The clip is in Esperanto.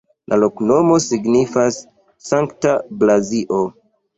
La loknomo signifas: Sankta Blazio.